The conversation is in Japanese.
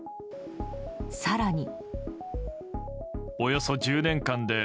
更に。